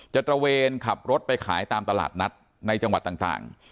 ตระเวนขับรถไปขายตามตลาดนัดในจังหวัดต่าง